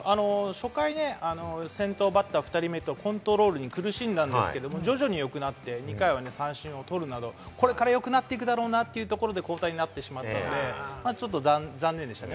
初回、先頭バッター２人目とコントロールに苦しんだんですけれども、徐々に良くなって２回は三振を取るなど、これから良くなっていくだろうなというところで交代になってしまったので、ちょっと残念でしたね。